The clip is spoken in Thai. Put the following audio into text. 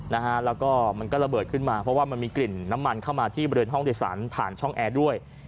นะฮะแล้วก็มันก็ระเบิดขึ้นมาเพราะว่ามันมีกลิ่นน้ำมันเข้ามาที่บริเวณห้องโดยสารผ่านช่องแอร์ด้วย